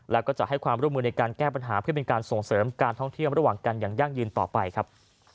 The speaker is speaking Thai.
แล้วก็จะให้ความร่วมมือในการแก้ปัญหาเพื่อเป็นการส่งเสริมการท่องเที่ยวระหว่างกันอย่างยั่งยืนต่อไปครับ